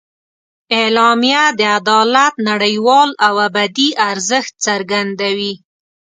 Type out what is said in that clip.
اعلامیه د عدالت نړیوال او ابدي ارزښت څرګندوي.